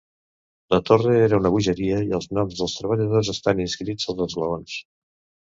La torre era una bogeria i els noms dels treballadors estan inscrits als esglaons.